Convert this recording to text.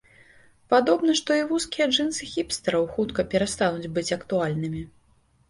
Падобна, што і вузкія джынсы хіпстараў хутка перастануць быць актуальнымі.